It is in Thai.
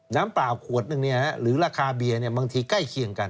เปล่าขวดนึงหรือราคาเบียร์บางทีใกล้เคียงกัน